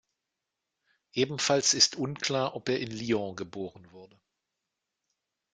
Ebenfalls ist unklar, ob er in Lyon geboren wurde.